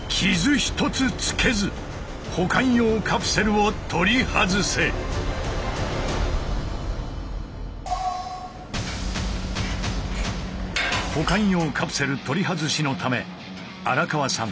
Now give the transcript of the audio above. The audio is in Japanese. やっぱり他の保管用カプセル取り外しのため荒川さん